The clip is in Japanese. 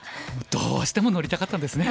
どうしても乗りたかったんですね。